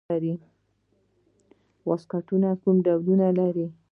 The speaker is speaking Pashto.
واسکټونه کوم ډولونه لري؟